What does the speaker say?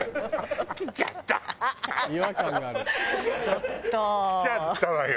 ちょっと。来ちゃったわよ。